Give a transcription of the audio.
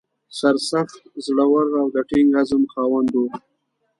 سرسخت، زړه ور او د ټینګ عزم خاوند و.